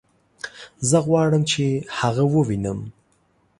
زه غواړم چې هغه ووينم